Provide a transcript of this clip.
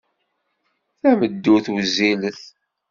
Tameddurt wezzilet.